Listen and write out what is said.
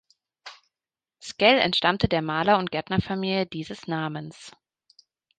Sckell entstammte der Maler- und Gärtnerfamilie dieses Namens.